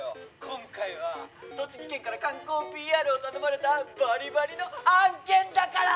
今回は栃木県から観光ＰＲを頼まれたバリバリの案件だから！